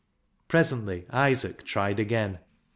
Presently Isaac tried again.